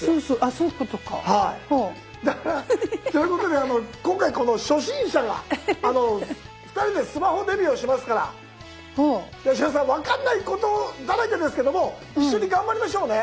そういうことで今回この初心者が２人でスマホデビューをしますから八代さん分かんないことだらけですけども一緒に頑張りましょうね。